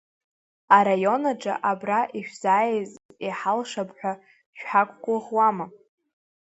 Араион аҿы абра ишәзааиз иҳалшап ҳәа шәҳақәгәыӷуама?